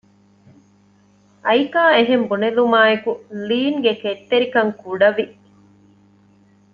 އައިކާ އެހެން ބުނެލުމާއެކު ލީންގެ ކެތްތެރިކަން ކުޑަވި